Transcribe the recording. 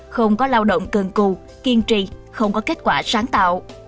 không có lao động cường cù kiên trì không có kết quả sáng tạo